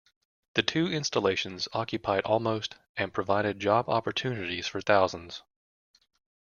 The two installations occupied almost and provided job opportunities for thousands.